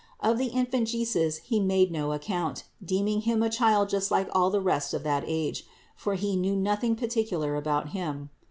Of the Infant Jesus he made no account, deeming Him a child just like all the rest of that age, for he knew nothing particular about Him.